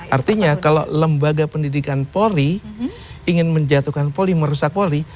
artinya kalau lembaga pendidikan polri ingin menjatuhkan polri merusak polri